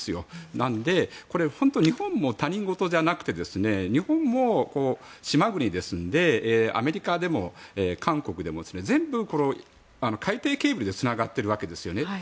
なので、本当に日本も他人事じゃなくて日本も島国ですのでアメリカでも韓国でも全部、海底ケーブルでつながっているわけですよね。